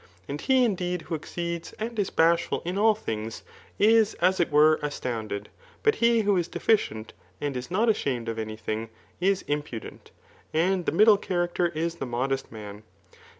And he indeed who exceeds, and is bagful in all things, is as it were astounded ; but he who is deficient, and m not ashamed of any thing, is impudent ; and the middle character is the modest man.